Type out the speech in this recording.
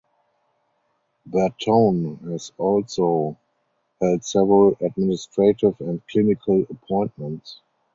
Bertone has also held several administrative and clinical appointments.